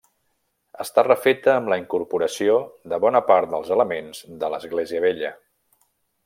Està refeta amb la incorporació de bona part dels elements de l'església vella.